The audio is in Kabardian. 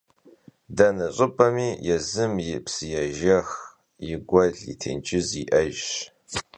Dene ş'ıp'emi yêzım yi psıêjjex, yi guel yê têncız yi'ejjş.